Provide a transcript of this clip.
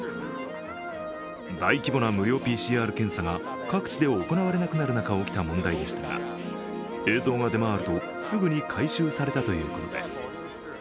大規模な無料ＰＣＲ検査が各地で行われなくなる中起きた問題でしたが映像が出回るとすぐに回収されたということです。